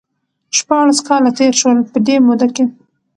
شپاړس کاله تېر شول ،په دې موده کې